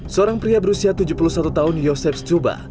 seorang pria berusia tujuh puluh satu tahun yosef stuba